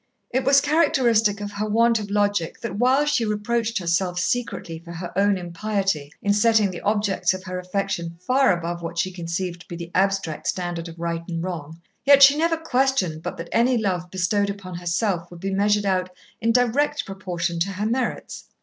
It was characteristic of her want of logic that while she reproached herself secretly for her own impiety in setting the objects of her affection far above what she conceived to be the abstract standard of right and wrong, yet she never questioned but that any love bestowed upon herself would be measured out in direct proportion to her merits.